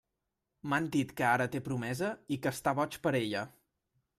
M'han dit que ara té promesa i que està boig per ella.